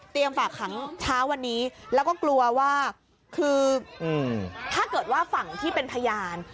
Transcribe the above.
ฝากขังเช้าวันนี้แล้วก็กลัวว่าคือถ้าเกิดว่าฝั่งที่เป็นพยาน